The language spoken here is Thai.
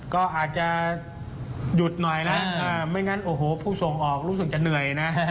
ก็อาจจะหยุดหน่อยนะไม่งั้นโอ้โหผู้ส่งออกรู้สึกจะเหนื่อยนะ